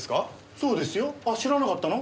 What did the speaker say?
そうですよあ知らなかったの？